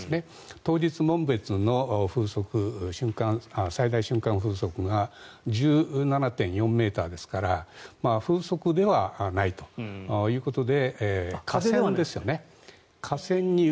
当日、紋別の最大瞬間風速が１７．４ｍですから風速ではないということで。